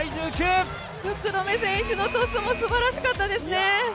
福留選手のトスもすばらしかったですね！